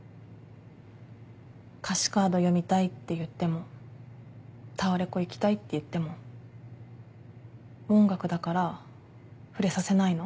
歌詞カード読みたいって言ってもタワレコ行きたいって言っても音楽だから触れさせないの？